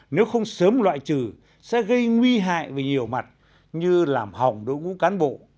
nếu không sớm loại trừ sẽ gây nguy hại về nhiều mặt như làm hỏng đội ngũ cán bộ